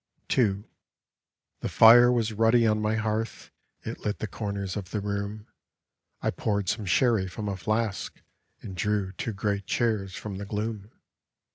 A BALLAD II The fire was ruddy on my hearth ; It lit the corners of the room. I poured some sherry from a flask, And drew two great chairs from the gloom.